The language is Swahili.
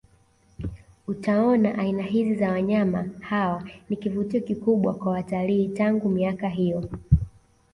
Utaona aina hizi za wanyama hawa ni kivutio kikubwa kwa watalii tangu miaka hiyo